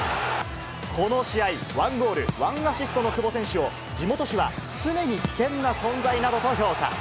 この試合、１ゴール、１アシストの久保選手を、地元紙は常に危険な存在などと評価。